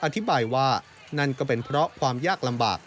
อธิบายว่านั่นก็เป็นเพราะความยากลำบาก